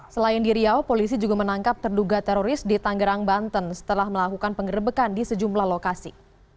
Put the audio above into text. selain di riau polisi juga menangkap terduga teroris di tanggerang banten setelah melakukan pengerebekan di sejumlah lokasi